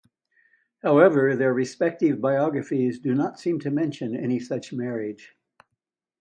However, their respective biographies do not seem to mention any such marriage.